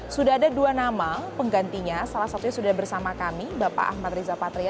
sudah ada dua nama penggantinya salah satunya sudah bersama kami bapak ahmad riza patria